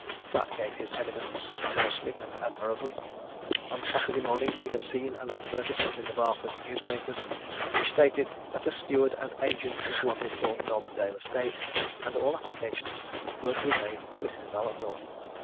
Pratt gave his evidence tersely and admirably. On Saturday morning he had seen an advertisement in the Barford newspapers which stated that a steward and agent was wanted for the Normandale Estate, and all applications were to be made to Mrs. Mallathorpe.